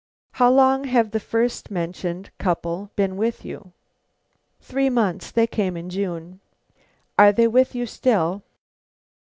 "How long have the first mentioned couple been with you?" "Three months. They came in June." "Are they with you still?"